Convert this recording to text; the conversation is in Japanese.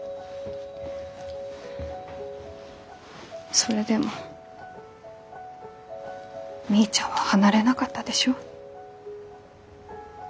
それでもみーちゃんは離れなかったでしょ？